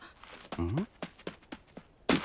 うん？